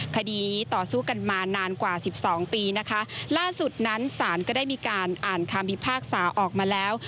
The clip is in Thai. คดีต่อสู้กันมานานกว่าสิบสองปีนะคะล่าสุดนั้นศาลก็ได้มีการอ่านคำพิพากษาออกมาแล้ว